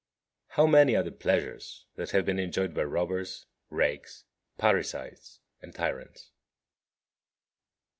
34. How many are the pleasures that have been enjoyed by robbers, rakes, parricides, and tyrants!